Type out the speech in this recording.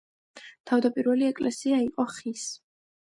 თავდაპირველი ეკლესია იყო ხის.